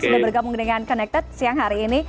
sudah bergabung dengan connected siang hari ini